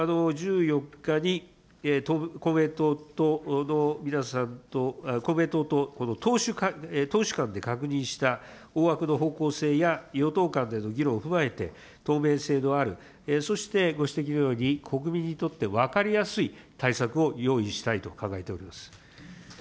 １４日に公明党の皆さんと、公明党と、この党首間で確認した大枠の方向性や与党間での議論を踏まえて、透明性のある、そしてご指摘のように国民にとって分かりやすい対高木陽介君。